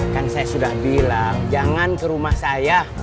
kan saya sudah bilang jangan ke rumah saya